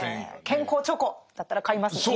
「健康チョコ」だったら買いますもんね。